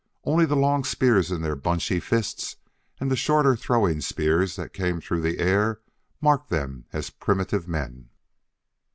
Only the long spears in their bunchy fists and the shorter throwing spears that came through the air marked them as primitive men.